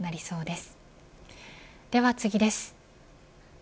では、次です。